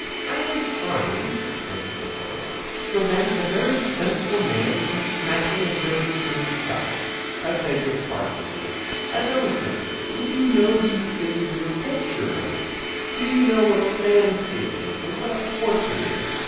"I am trying," answered the poet, "to prevent a very sensible man from smashing a very silly shop. I beg your pardon, sir. As I was saying, would you know these things in a picture, now? Do you know what a landscape is and what a portrait is?